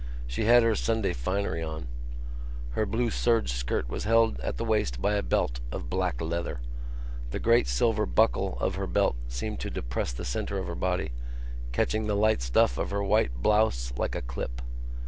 She had her Sunday finery on. Her blue serge skirt was held at the waist by a belt of black leather. The great silver buckle of her belt seemed to depress the centre of her body, catching the light stuff of her white blouse like a clip.